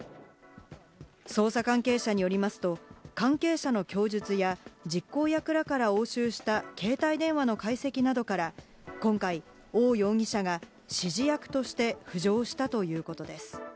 捜査関係者によりますと、関係者の供述や実行役らから押収した携帯電話の解析などから今回、オウ容疑者が指示役として浮上したということです。